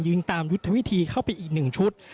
ตามยุทธวิธีเข้าไปอีก๑ชุด